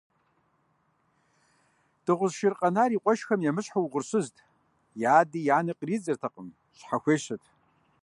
Дыгъужь шыр къэнар и къуэшхэм емыщхьу угъурсызт, и ади и ани къридзэртэкъым, щхьэхуещэт.